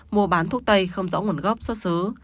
mua bán thuốc tây không rõ nguồn gốc xuất xứ